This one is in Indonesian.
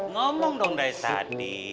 ngomong dong dari tadi